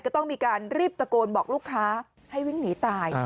ก็ต้องมีการรีบตะโกนบอกลูกค้าให้วิ่งหนีตาย